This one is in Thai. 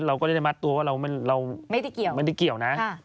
เราก็จะมัดตัวว่าเราไม่ทีเกี่ยว